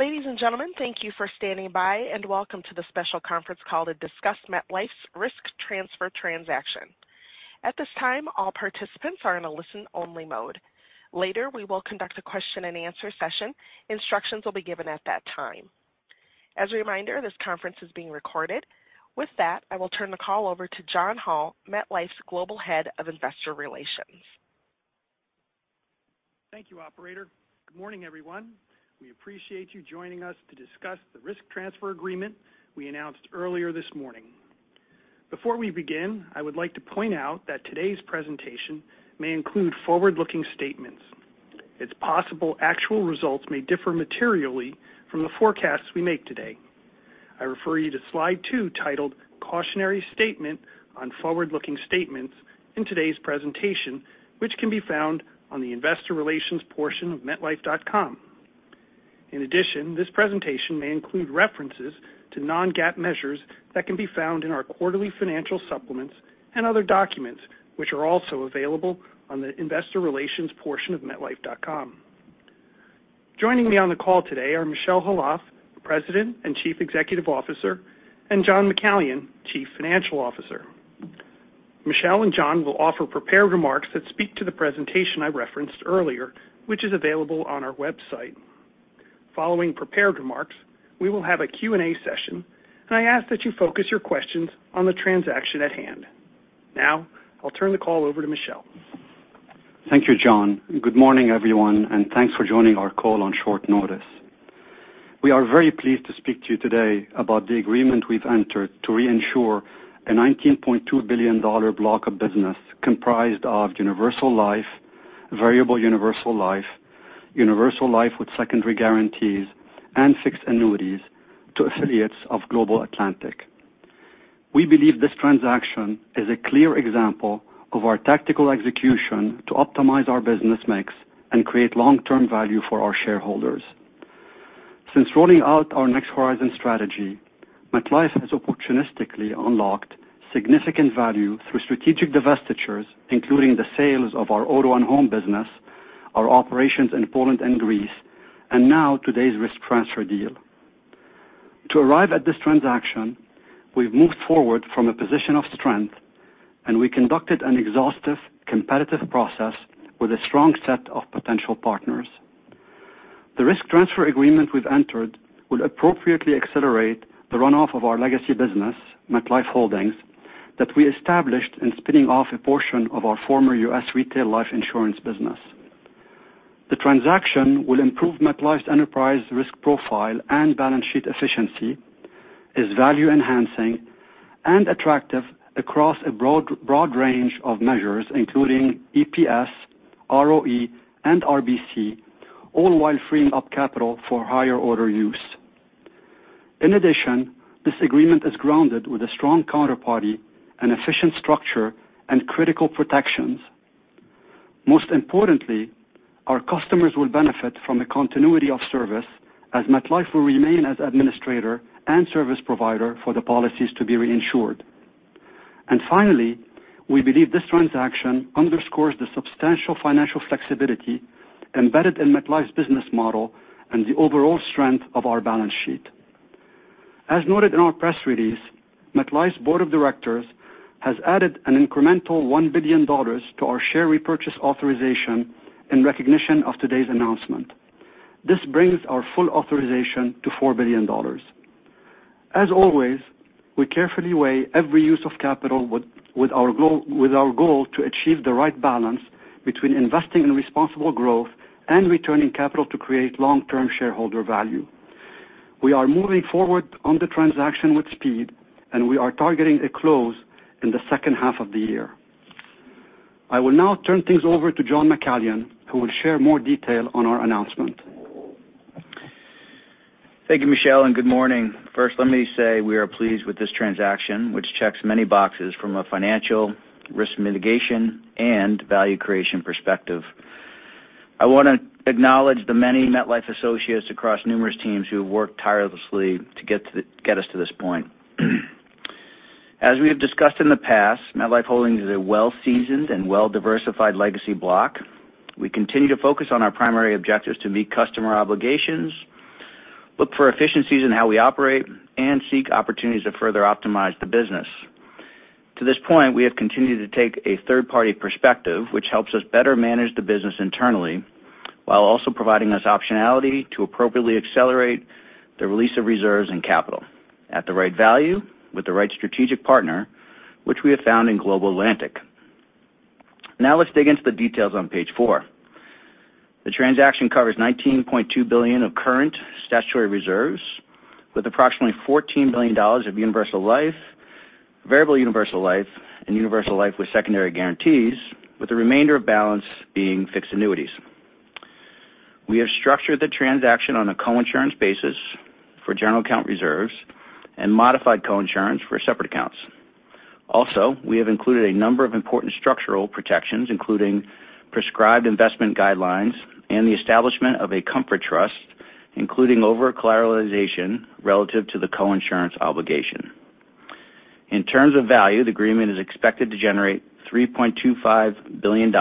Ladies and gentlemen, thank you for standing by, and welcome to the special conference call to discuss MetLife's risk transfer transaction. At this time, all participants are in a listen-only mode. Later, we will conduct a question-and-answer session. Instructions will be given at that time. As a reminder, this conference is being recorded. I will turn the call over to John Hall, MetLife's Global Head of Investor Relations. Thank you, operator. Good morning, everyone. We appreciate you joining us to discuss the risk transfer agreement we announced earlier this morning. Before we begin, I would like to point out that today's presentation may include forward-looking statements. It's possible actual results may differ materially from the forecasts we make today. I refer you to slide 2, titled Cautionary Statement on Forward-Looking Statements in today's presentation, which can be found on the investor relations portion of metlife.com. In addition, this presentation may include references to non-GAAP measures that can be found in our quarterly financial supplements and other documents, which are also available on the investor relations portion of metlife.com. Joining me on the call today are Michel Khalaf, President and Chief Executive Officer, and John McCallion, Chief Financial Officer. Michel and John will offer prepared remarks that speak to the presentation I referenced earlier, which is available on our website. Following prepared remarks, we will have a Q&A session, and I ask that you focus your questions on the transaction at hand. I'll turn the call over to Michel. Thank you, John McCallion. Good morning, everyone, thanks for joining our call on short notice. We are very pleased to speak to you today about the agreement we've entered to reinsure a $19.2 billion block of business comprised of universal life, variable universal life, universal life with secondary guarantees, and fixed annuities to affiliates of Global Atlantic Financial Group. We believe this transaction is a clear example of our tactical execution to optimize our business mix and create long-term value for our shareholders. Since rolling out our Next Horizon strategy, MetLife has opportunistically unlocked significant value through strategic divestitures, including the sales of our auto and home business, our operations in Poland and Greece, now today's risk transfer deal. To arrive at this transaction, we've moved forward from a position of strength, we conducted an exhaustive, competitive process with a strong set of potential partners. The risk transfer agreement we've entered will appropriately accelerate the runoff of our legacy business, MetLife Holdings, that we established in spinning off a portion of our former U.S. retail life insurance business. The transaction will improve MetLife's enterprise risk profile and balance sheet efficiency, is value-enhancing and attractive across a broad range of measures, including EPS, ROE, and RBC, all while freeing up capital for higher order use. This agreement is grounded with a strong counterparty, an efficient structure, and critical protections. Most importantly, our customers will benefit from the continuity of service as MetLife will remain as administrator and service provider for the policies to be reinsured. Finally, we believe this transaction underscores the substantial financial flexibility embedded in MetLife's business model and the overall strength of our balance sheet. As noted in our press release, MetLife's board of directors has added an incremental $1 billion to our share repurchase authorization in recognition of today's announcement. This brings our full authorization to $4 billion. As always, we carefully weigh every use of capital with our goal to achieve the right balance between investing in responsible growth and returning capital to create long-term shareholder value. We are moving forward on the transaction with speed, and we are targeting a close in the second half of the year. I will now turn things over to John McCallion, who will share more detail on our announcement. Thank you, Michel. Good morning. First, let me say we are pleased with this transaction, which checks many boxes from a financial, risk mitigation, and value creation perspective. I want to acknowledge the many MetLife associates across numerous teams who have worked tirelessly to get us to this point. As we have discussed in the past, MetLife Holdings is a well-seasoned and well-diversified legacy block. We continue to focus on our primary objectives to meet customer obligations, look for efficiencies in how we operate, and seek opportunities to further optimize the business. To this point, we have continued to take a third-party perspective, which helps us better manage the business internally, while also providing us optionality to appropriately accelerate the release of reserves and capital at the right value with the right strategic partner, which we have found in Global Atlantic. Let's dig into the details on page 4. The transaction covers $19.2 billion of current statutory reserves, with approximately $14 billion of universal life, variable universal life, and Universal Life with Secondary Guarantees, with the remainder of balance being fixed annuities. We have structured the transaction on a coinsurance basis for general account reserves and modified coinsurance for separate accounts. We have included a number of important structural protections, including prescribed investment guidelines and the establishment of a comfort trust, including overcollateralization relative to the coinsurance obligation. In terms of value, the agreement is expected to generate $3.25 billion,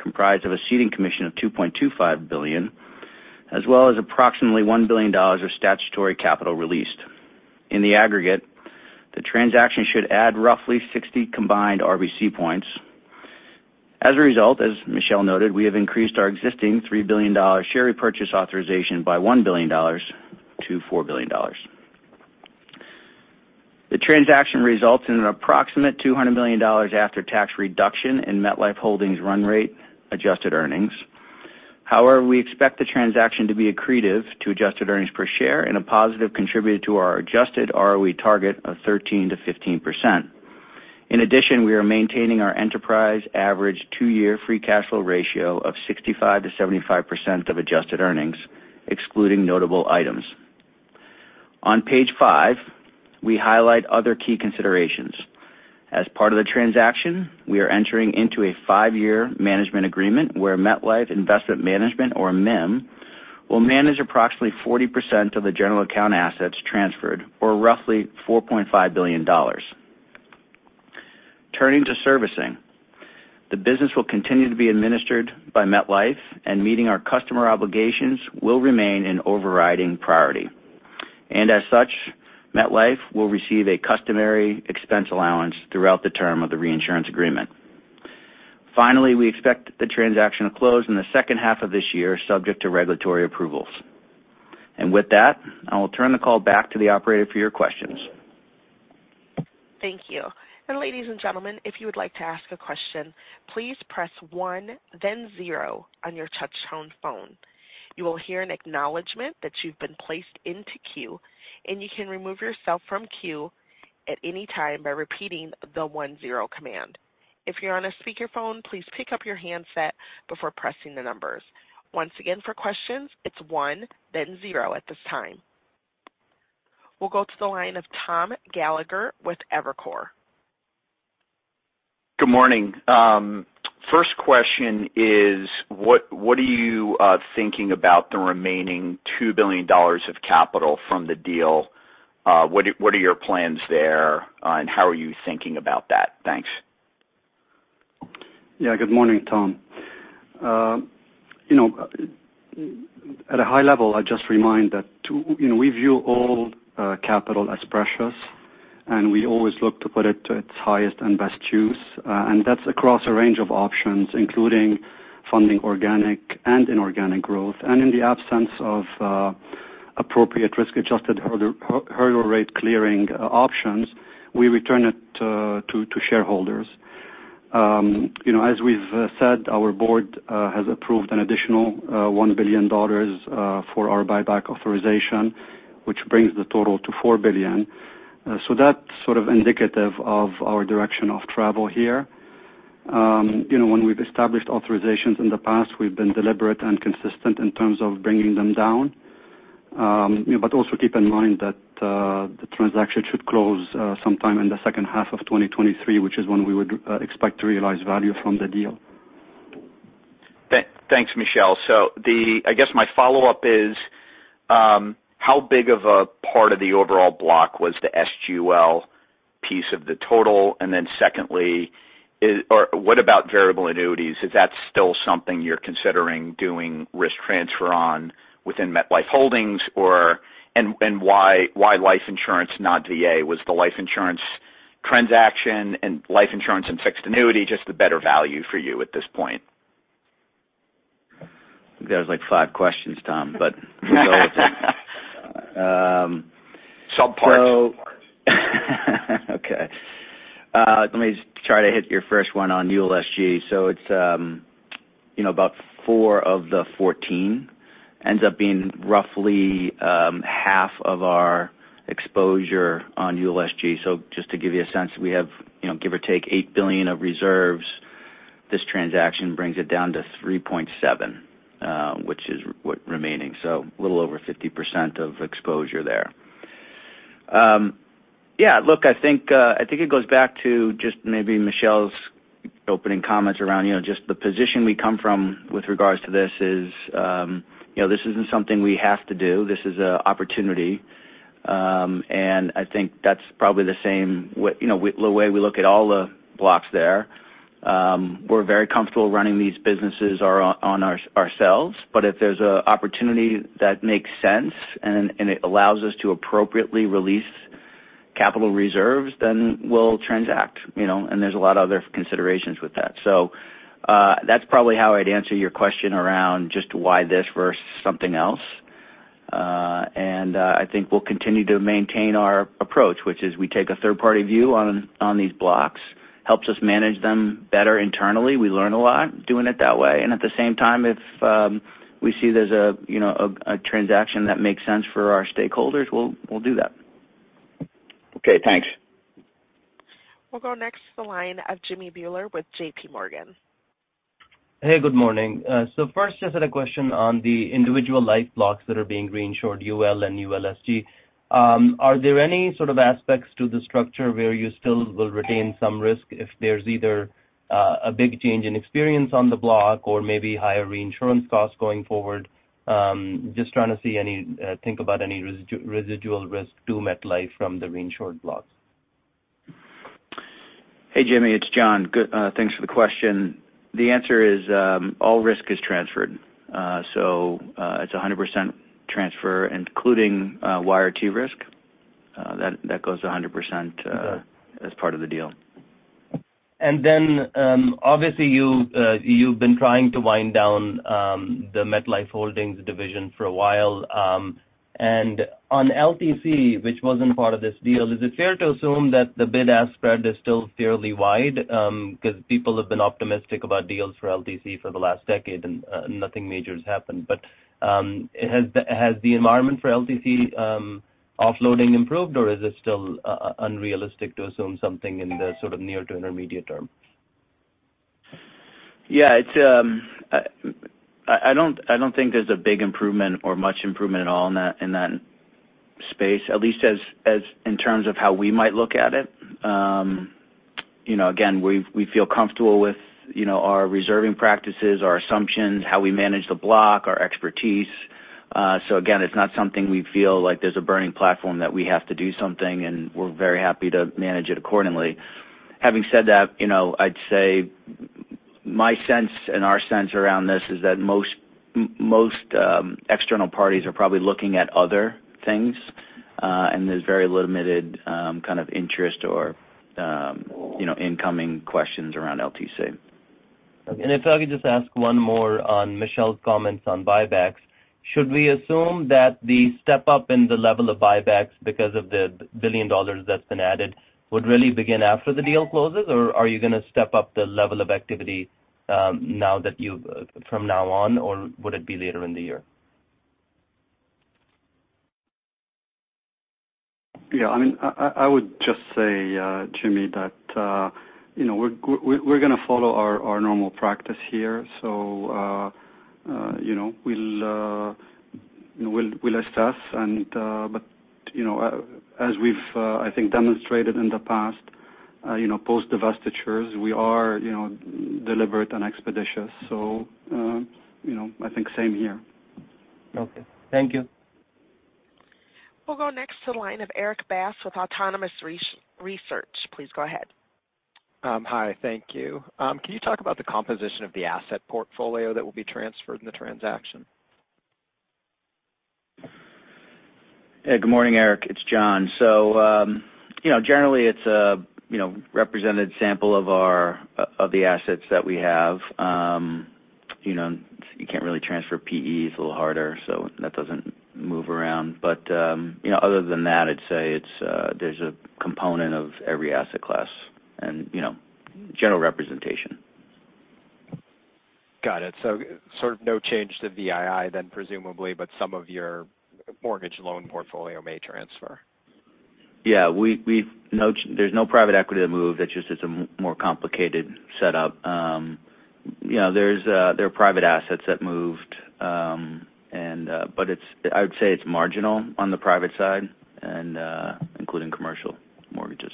comprised of a ceding commission of $2.25 billion, as well as approximately $1 billion of statutory capital released. In the aggregate, the transaction should add roughly 60 combined RBC points. As a result, as Michel noted, we have increased our existing $3 billion share repurchase authorization by $1 billion to $4 billion. The transaction results in an approximate $200 million after-tax reduction in MetLife Holdings run rate adjusted earnings. We expect the transaction to be accretive to adjusted earnings per share and a positive contributor to our adjusted ROE target of 13%-15%. In addition, we are maintaining our enterprise average 2-year free cash flow ratio of 65%-75% of adjusted earnings, excluding notable items. On page 5, we highlight other key considerations. As part of the transaction, we are entering into a 5-year management agreement where MetLife Investment Management, or MIM, will manage approximately 40% of the general account assets transferred, or roughly $4.5 billion. Turning to servicing, the business will continue to be administered by MetLife. Meeting our customer obligations will remain an overriding priority. As such, MetLife will receive a customary expense allowance throughout the term of the reinsurance agreement. Finally, we expect the transaction to close in the second half of this year, subject to regulatory approvals. With that, I will turn the call back to the operator for your questions. Thank you. Ladies and gentlemen, if you would like to ask a question, please press one, then zero on your touchtone phone. You will hear an acknowledgment that you've been placed into queue, and you can remove yourself from queue at any time by repeating the one zero command. If you're on a speakerphone, please pick up your handset before pressing the numbers. Once again, for questions, it's one then zero at this time. We'll go to the line of Thomas Gallagher with Evercore. Good morning. First question is: what are you thinking about the remaining $2 billion of capital from the deal? What are your plans there, and how are you thinking about that? Thanks. Good morning, Tom. you know, at a high level, I just remind that to, you know, we view all capital as precious, and we always look to put it to its highest and best use, and that's across a range of options, including funding organic and inorganic growth. In the absence of appropriate risk-adjusted hurdle rate clearing options, we return it to shareholders. you know, as we've said, our board has approved an additional $1 billion for our buyback authorization, which brings the total to $4 billion. That's sort of indicative of our direction of travel here. you know, when we've established authorizations in the past, we've been deliberate and consistent in terms of bringing them down. Also keep in mind that the transaction should close sometime in the second half of 2023, which is when we would expect to realize value from the deal. Thanks, Michel. The I guess my follow-up is how big of a part of the overall block was the SGL piece of the total? Then secondly, is or what about variable annuities? Is that still something you're considering doing risk transfer on within MetLife Holdings, or... Why life insurance, not DA? Was the life insurance transaction and life insurance and fixed annuity just a better value for you at this point? There's, like, five questions, Tom, but we'll go with it. Subparts. Okay. Let me just try to hit your first one on ULSG. It's, you know, about 4 of the 14 ends up being roughly half of our exposure on ULSG. Just to give you a sense, we have, you know, give or take, $8 billion of reserves. This transaction brings it down to 3.7, which is what remaining, so a little over 50% of exposure there. Yeah, look, I think I think it goes back to just maybe Michel's opening comments around, you know, just the position we come from with regards to this is, you know, this isn't something we have to do. This is an opportunity, I think that's probably the same, you know, the way we look at all the blocks there. We're very comfortable running these businesses ourselves, but if there's an opportunity that makes sense and it allows us to appropriately release capital reserves, then we'll transact, you know. There's a lot of other considerations with that. That's probably how I'd answer your question around just why this versus something else. I think we'll continue to maintain our approach, which is we take a third-party view on these blocks. Helps us manage them better internally. We learn a lot doing it that way. At the same time, if we see there's a, you know, a transaction that makes sense for our stakeholders, we'll do that. Okay, thanks. We'll go next to the line of Jimmy Bhullar with JP Morgan. Hey, good morning. First, just had a question on the individual life blocks that are being reinsured, UL and ULSG. Are there any sort of aspects to the structure where you still will retain some risk if there's either a big change in experience on the block or maybe higher reinsurance costs going forward? Just trying to see any, think about any residual risk to MetLife from the reinsured blocks. Hey, Jimmy, it's John. Good, thanks for the question. The answer is, all risk is transferred. So, it's a 100% transfer, including, YRT risk. That goes to 100%, as part of the deal. Obviously, you've been trying to wind down the MetLife Holdings division for a while. On LTC, which wasn't part of this deal, is it fair to assume that the bid-ask spread is still fairly wide? People have been optimistic about deals for LTC for the last decade, and nothing major has happened. Has the environment for LTC offloading improved, or is it still unrealistic to assume something in the sort of near to intermediate term? Yeah, it's, I don't think there's a big improvement or much improvement at all in that, in that space, at least as in terms of how we might look at it. you know, again, we feel comfortable with, you know, our reserving practices, our assumptions, how we manage the block, our expertise. Again, it's not something we feel like there's a burning platform that we have to do something, and we're very happy to manage it accordingly. Having said that, you know, I'd say my sense and our sense around this is that most external parties are probably looking at other things, and there's very limited kind of interest or, you know, incoming questions around LTC. If I could just ask one more on Michel's comments on buybacks. Should we assume that the step up in the level of buybacks, because of the $1 billion that's been added, would really begin after the deal closes? Or are you going to step up the level of activity from now on, or would it be later in the year? Yeah, I mean, I would just say, Jimmy, that, you know, we're going to follow our normal practice here. You know, we'll assess and, but, you know, as we've, I think, demonstrated in the past, you know, post-divestitures, we are, you know, deliberate and expeditious. You know, I think same here. Okay. Thank you. We'll go next to the line of Erik Bass with Autonomous Research. Please go ahead. Hi. Thank you. Can you talk about the composition of the asset portfolio that will be transferred in the transaction? Good morning, Erik. It's John. Generally, you know, it's a represented sample of our of the assets that we have. You know, you can't really transfer PEs, a little harder, so that doesn't move around. Other than that, you know, I'd say it's a component of every asset class and, you know, general representation. Got it. Sort of no change to VII then, presumably, but some of your mortgage loan portfolio may transfer. Yeah, we've no there's no private equity to move. It's just it's a more complicated setup. You know, there's there are private assets that moved, but I would say it's marginal on the private side and including commercial mortgages.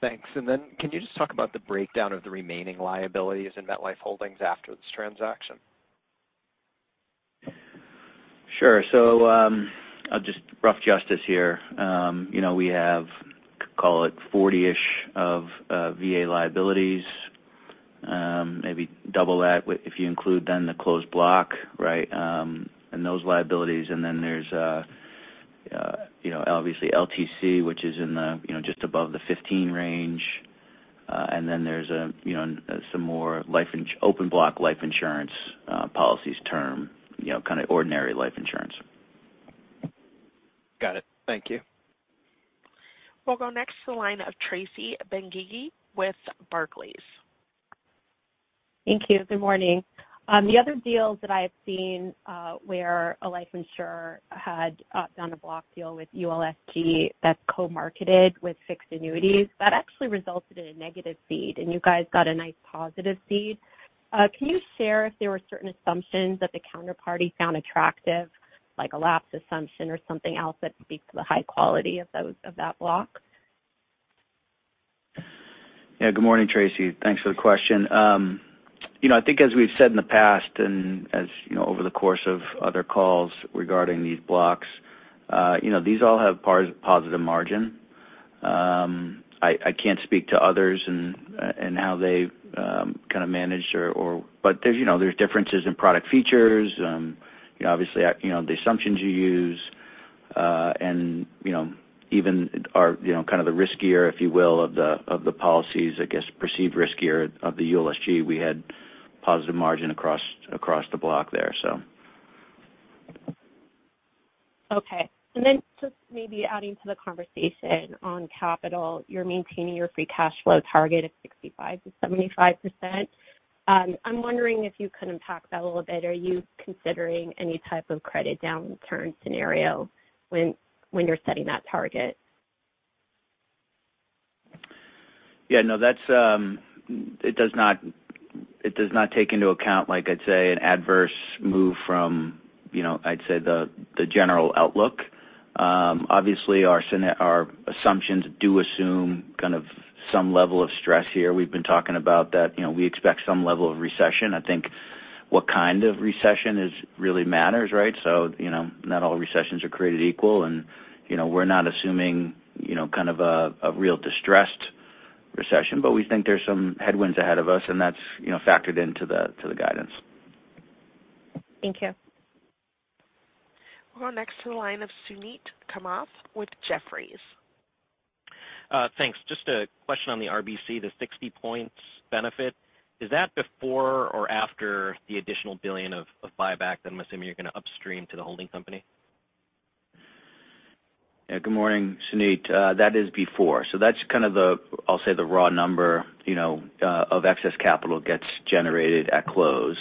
Thanks. Then can you just talk about the breakdown of the remaining liabilities in MetLife Holdings after this transaction? Sure. I'll just rough justice here. You know, we have, call it, 40-ish of VA liabilities, maybe double that if you include then the closed block, right? Those liabilities, then there's, you know, obviously LTC, which is in the, you know, just above the 15 range. There's a, you know, some more open block life insurance policies term, you know, kind of ordinary life insurance. Got it. Thank you. We'll go next to the line of Tracy Benguigui with Barclays. Thank you. Good morning. The other deals that I have seen, where a life insurer had done a block deal with ULSG that's co-marketed with fixed annuities, that actually resulted in a negative cede, and you guys got a nice positive cede. Can you share if there were certain assumptions that the counterparty found attractive, like a lapse assumption or something else, that speaks to the high quality of those, of that block? Yeah. Good morning, Tracy. Thanks for the question. you know, I think as we've said in the past, and as, you know, over the course of other calls regarding these blocks, you know, these all have positive margin. I can't speak to others and how they've, kind of managed or. There's, you know, there's differences in product features. you know, obviously, you know, the assumptions you use, and, you know, even are, you know, kind of the riskier, if you will, of the, of the policies, I guess, perceived riskier of the ULSG. We had positive margin across the block there, so. Okay. Just maybe adding to the conversation on capital, you're maintaining your free cash flow target of 65%-75%. I'm wondering if you could unpack that a little bit. Are you considering any type of credit downturn scenario when you're setting that target? Yeah, no, that's, it does not, it does not take into account, like, I'd say, an adverse move from, you know, I'd say the general outlook. Obviously, our assumptions do assume kind of some level of stress here. We've been talking about that. You know, we expect some level of recession. I think what kind of recession is, really matters, right? You know, not all recessions are created equal, and, you know, we're not assuming, you know, kind of a real distressed recession. We think there's some headwinds ahead of us, and that's, you know, factored into the, to the guidance. Thank you. We'll go next to the line of Suneet Kamath with Jefferies. Thanks. Just a question on the RBC, the 60 points benefit. Is that before or after the additional $1 billion of buyback that I'm assuming you're going to upstream to the holding company? Good morning, Suneet. That is before. That's kind of the, I'll say, the raw number, you know, of excess capital gets generated at close.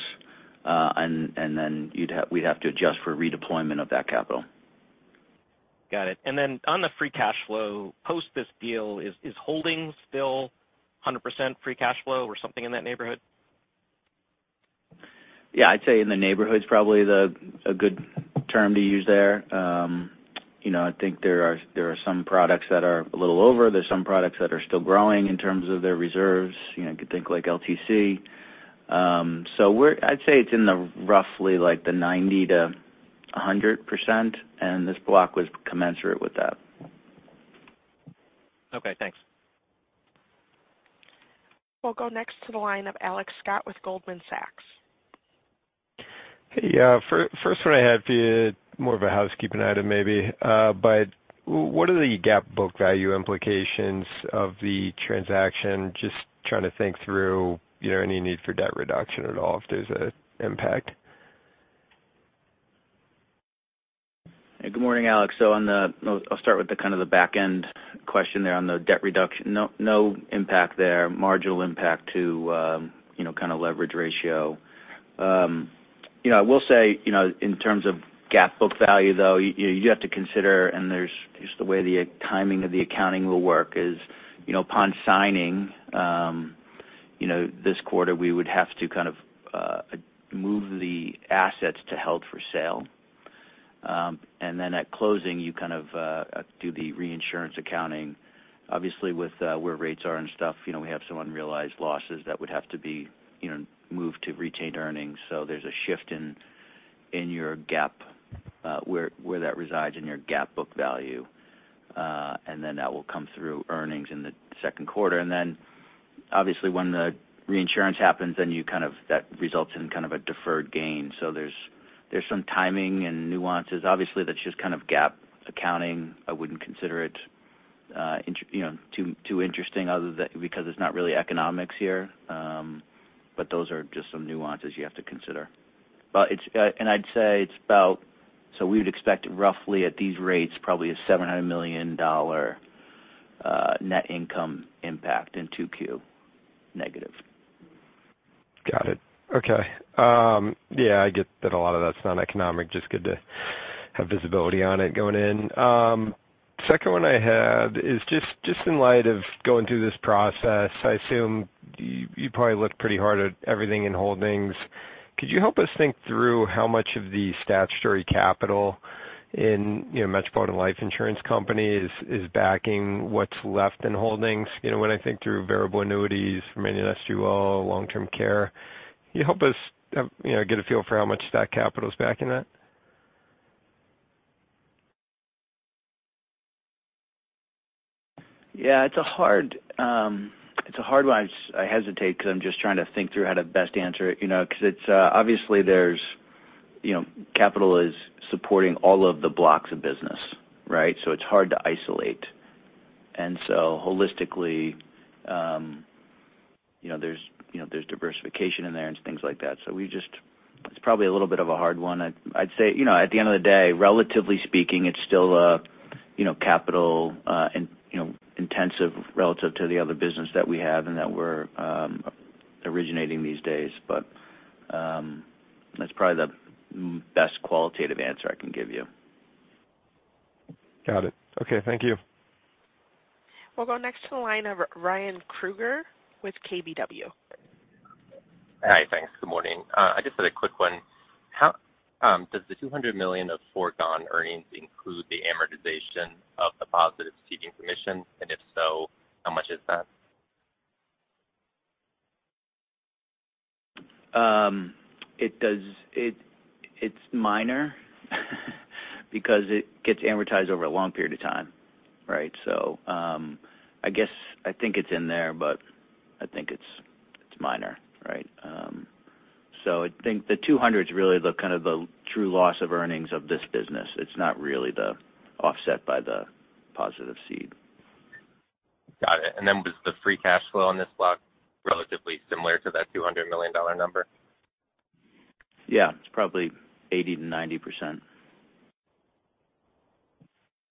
Then we'd have to adjust for redeployment of that capital. Got it. Then on the free cash flow, post this deal, is Holdings still 100% free cash flow or something in that neighborhood? Yeah, I'd say in the neighborhood's probably a good term to use there. You know, I think there are some products that are a little over. There's some products that are still growing in terms of their reserves, you know, you could think like LTC. I'd say it's in the roughly, like, the 90% to 100%, and this block was commensurate with that. Okay, thanks. We'll go next to the line of Alex Scott with Goldman Sachs. Hey, first one I had for you, more of a housekeeping item maybe. What are the GAAP book value implications of the transaction? Just trying to think through, you know, any need for debt reduction at all, if there's a impact. Hey, good morning, Alex. I'll start with the kind of the back end question there on the debt reduction. No impact there. Marginal impact to, you know, kind of leverage ratio. You know, I will say, you know, in terms of GAAP book value, though, you have to consider, and there's just the way the timing of the accounting will work is, you know, upon signing, you know, this quarter, we would have to kind of move the assets to held for sale. At closing, you kind of do the reinsurance accounting. Obviously, with where rates are and stuff, you know, we have some unrealized losses that would have to be, you know, moved to retained earnings. There's a shift in your GAAP, where that resides in your GAAP book value. That will come through earnings in the second quarter. Obviously, when the reinsurance happens, that results in a deferred gain. There's some timing and nuances. Obviously, that's just GAAP accounting. I wouldn't consider it, you know, too interesting because it's not really economics here. Those are just some nuances you have to consider. It's, I'd say it's about, we'd expect roughly at these rates, probably a $700 million net income impact in 2Q, negative. Got it. Okay. Yeah, I get that a lot of that's non-economic. Just good to have visibility on it going in. Second one I had is just in light of going through this process, I assume you probably looked pretty hard at everything in Holdings. Could you help us think through how much of the statutory capital in, you know, Metropolitan Life Insurance Company is backing what's left in Holdings? You know, when I think through variable annuities, many LTC, long-term care, can you help us, you know, get a feel for how much that capital is backing that? Yeah, it's a hard, it's a hard one. I hesitate because I'm just trying to think through how to best answer it, you know, because it's, obviously there's, you know, capital is supporting all of the blocks of business, right? It's hard to isolate. Holistically, you know, there's, you know, there's diversification in there and things like that. It's probably a little bit of a hard one. I'd say, you know, at the end of the day, relatively speaking, it's still a, you know, capital, you know, intensive relative to the other business that we have and that we're originating these days. That's probably the best qualitative answer I can give you. Got it. Okay, thank you. We'll go next to the line of Ryan Krueger with KBW. Hi, thanks. Good morning. I just had a quick one. How does the $200 million of foregone earnings include the amortization of the positive ceding commission? If so, how much is that? It does. It, it's minor, because it gets amortized over a long period of time, right? I guess, I think it's in there, but I think it's minor, right? I think the $200's really the kind of the true loss of earnings of this business. It's not really the offset by the positive cede. Got it. Was the free cash flow on this block relatively similar to that $200 million number? Yeah, it's probably 80%-90%.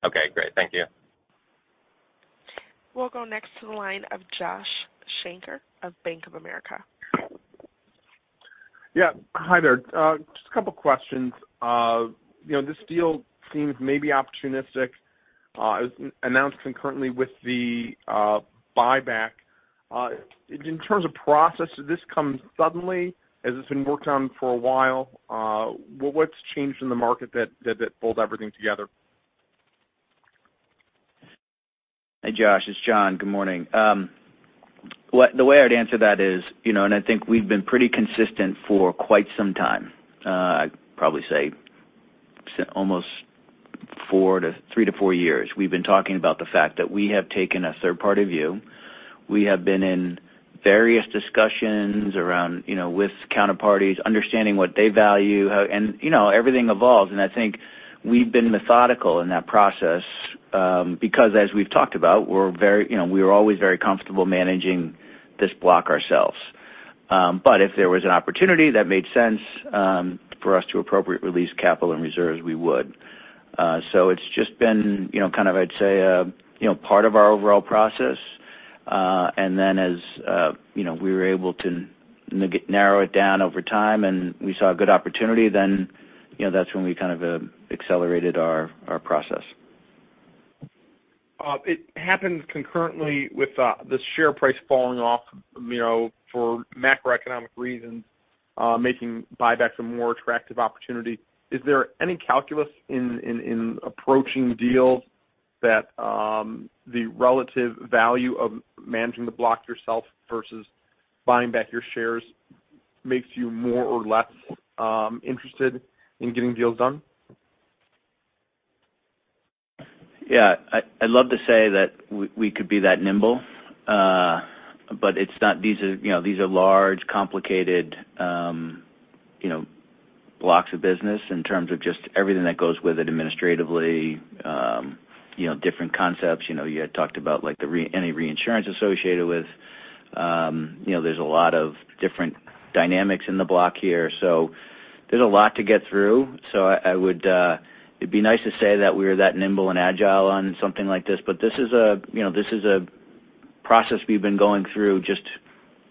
Okay, great. Thank you. We'll go next to the line of Joshua Shanker of Bank of America. Yeah. Hi there. Just a couple questions. You know, this deal seems maybe opportunistic, as announced concurrently with the buyback. In terms of process, did this come suddenly? Has this been worked on for a while? What's changed in the market that pulled everything together? Hey, Josh, it's John. Good morning. The way I'd answer that is, you know, and I think we've been pretty consistent for quite some time, I'd probably say almost 3-4 years. We've been talking about the fact that we have taken a third-party view. We have been in various discussions around, you know, with counterparties, understanding what they value, and, you know, everything evolves, and I think we've been methodical in that process, because as we've talked about, we're very, you know, we were always very comfortable managing this block ourselves. If there was an opportunity that made sense, for us to appropriate release capital and reserves, we would. It's just been, you know, kind of, I'd say, a, you know, part of our overall process. As, you know, we were able to narrow it down over time, and we saw a good opportunity, then, you know, that's when we kind of, accelerated our process. It happened concurrently with the share price falling off, you know, for macroeconomic reasons, making buybacks a more attractive opportunity. Is there any calculus in approaching deals that the relative value of managing the block yourself versus buying back your shares makes you more or less interested in getting deals done? Yeah, I'd love to say that we could be that nimble, but it's not these are, you know, these are large, complicated, you know, blocks of business in terms of just everything that goes with it administratively, you know, different concepts. You know, you had talked about, like, any reinsurance associated with. You know, there's a lot of different dynamics in the block here, so there's a lot to get through. I would, it'd be nice to say that we were that nimble and agile on something like this, but this is a, you know, this is a process we've been going through just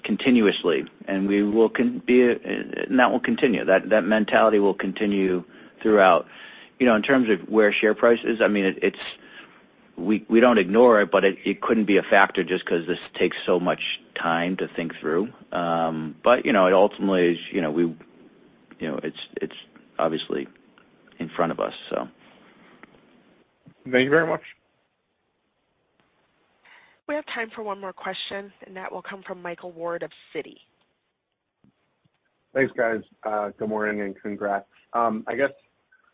continuously, and we will be, and that will continue. That, that mentality will continue throughout. You know, in terms of where share price is, I mean, we don't ignore it, but it couldn't be a factor just 'cause this takes so much time to think through. You know, it ultimately is, you know, we, you know, it's obviously in front of us, so. Thank you very much. We have time for one more question, and that will come from Michael Ward of Citi. Thanks, guys. Good morning. Congrats. I guess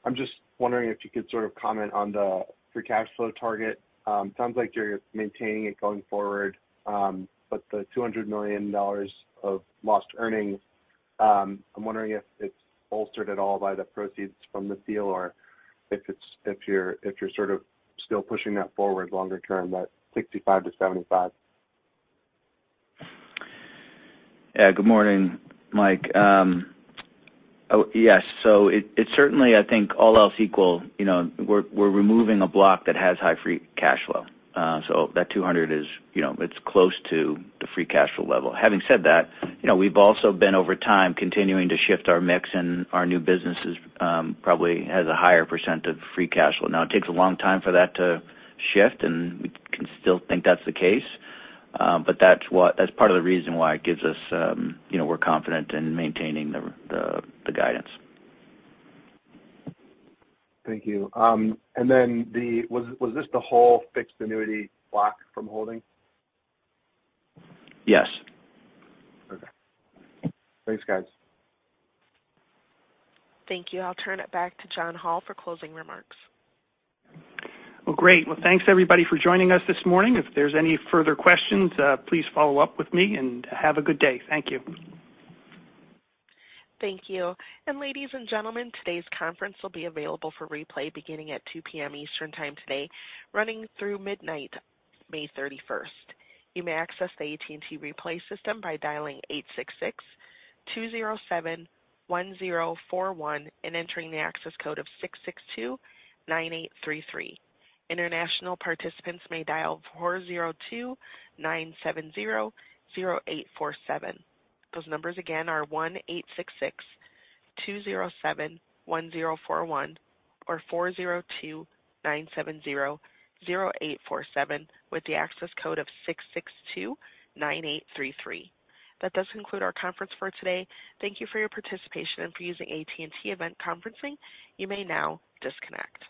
I'm just wondering if you could sort of comment on the free cash flow target. Sounds like you're maintaining it going forward, but the $200 million of lost earnings. I'm wondering if it's bolstered at all by the proceeds from the deal or if you're sort of still pushing that forward longer term, that 65-75? Yeah. Good morning, Mike. Oh, yes. It, it certainly, I think all else equal, you know, we're removing a block that has high free cash flow. That $200 is, you know, it's close to the free cash flow level. Having said that, you know, we've also been, over time, continuing to shift our mix and our new businesses, probably has a higher % of free cash flow. Now it takes a long time for that to shift, and we can still think that's the case. That's part of the reason why it gives us, you know, we're confident in maintaining the guidance. Thank you. Was this the whole fixed annuity block from Holdings? Yes. Okay. Thanks, guys. Thank you. I'll turn it back to John Hall for closing remarks. Well, great. Well, thanks, everybody, for joining us this morning. If there's any further questions, please follow up with me, and have a good day. Thank you. Thank you. Ladies and gentlemen, today's conference will be available for replay beginning at 2:00 P.M. Eastern Time today, running through midnight, May 31st. You may access the AT&T replay system by dialing 866 207 1041, and entering the access code of 662 9833. International participants may dial 402 970 0847. Those numbers again are 1866 207 1041 or 402 970 0847 with the access code of 662 9833. That does conclude our conference for today. Thank you for your participation and for using AT&T event conferencing. You may now disconnect.